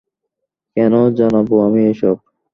কেন জানবো আমি এসব?